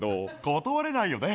断れないよね。